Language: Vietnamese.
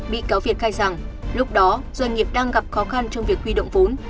bị cáo việt khai rằng lúc đó doanh nghiệp đang gặp khó khăn trong việc huy động vốn